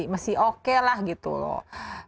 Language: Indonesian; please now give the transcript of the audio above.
masih oke lah gitu loh